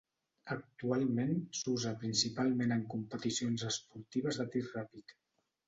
Actualment, s'usa principalment en competicions esportives de tir ràpid.